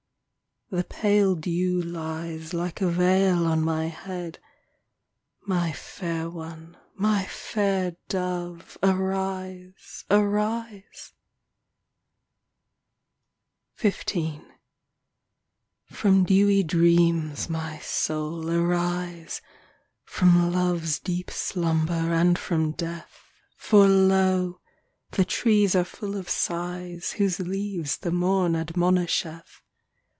The pale dew lies Like a veil on my head. My fair one, my fair dove. Arise, arise ! XV From dewy dreams, my soul, arise, From love's deep slumber and from death, For lo ! the trees are full of sighs Whose leaves the morn admonisheth.